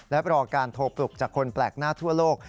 และรอการโทรปลุกจากคนแปลกหน้าทั่วโลก